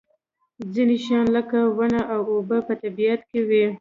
ځینې شیان لکه ونه او اوبه په طبیعت کې وي.